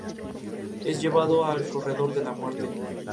Es llevado al corredor de la muerte.